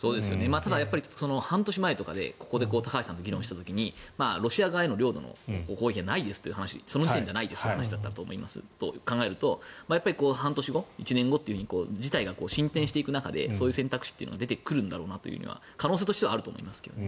ただ、半年前とかにここで高橋さんと議論した時にロシア側への領土への攻撃それはないですよという話その時点ではないという話だったと考えると半年後、１年後事態が進展していく中でそういう選択肢が出てくる可能性としてはあると思いますけどね。